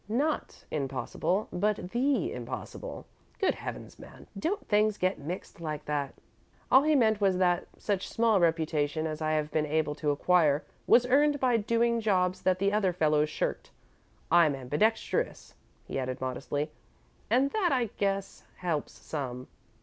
"Not impossible, but THE impossible. Good Heavens, man, don't things get mixed like that! All he meant was that such small reputation as I have been able to acquire was earned by doing jobs that the other fellows shirked. I'm ambidextrous," he added, modestly, "and I guess that helps some.